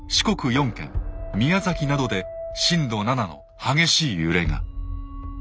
４県宮崎などで震度７の激しい揺れが。